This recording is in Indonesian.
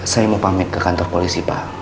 saya mau pamit ke kantor polisi pak